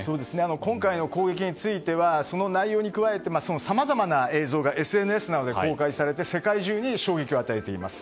今回の攻撃についてはその内容に加えてさまざまな映像がＳＮＳなどで公開されて世界中に衝撃を与えています。